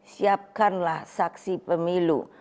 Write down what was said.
siapkanlah saksi pemilu